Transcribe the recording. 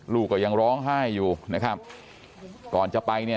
ลูกก็ยังร้องไห้อยู่นะครับก่อนจะไปเนี่ย